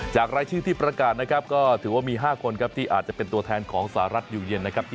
รายชื่อที่ประกาศนะครับก็ถือว่ามี๕คนครับที่อาจจะเป็นตัวแทนของสหรัฐอยู่เย็นนะครับ